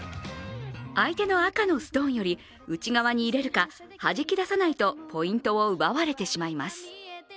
相手の赤のストーンより内側に入れるかはじき出さないとポイントを奪われてしまいます。